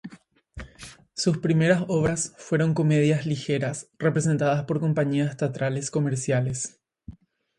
Sus primeras obras fueron comedias ligeras representadas por compañías teatrales comerciales.